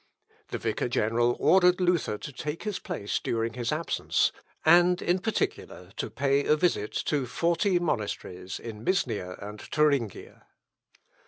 The vicar general ordered Luther to take his place during his absence, and in particular to pay a visit to forty monasteries in Misnia and Thuringia.